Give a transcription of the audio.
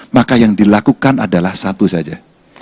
maka yang dilakukan adalah satu saja